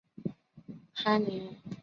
樊陵人。